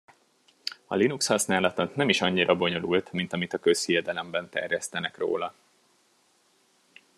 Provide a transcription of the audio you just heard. A Linux használata nem is annyira bonyolult, mint amit a közhiedelemben terjesztenek róla.